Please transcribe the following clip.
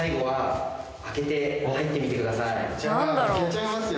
じゃあ開けちゃいますよ